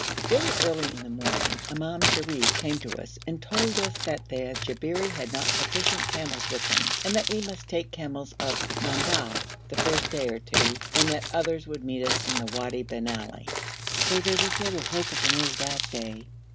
Very early in the morning Imam Sharif came to us and told us that the Jabberi had not sufficient camels with them and that we must take camels of Mandob the first day or two, and that others would meet us in the Wadi bin Ali, so there was little hope of a move that day.